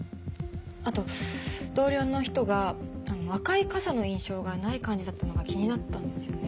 あと同僚の人が赤い傘の印象がない感じだったのが気になったんですよね。